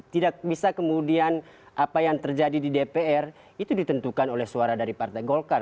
tidak bisa kemudian apa yang terjadi di dpr itu ditentukan oleh suara dari partai golkar